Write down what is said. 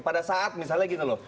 pada saat misalnya gini loh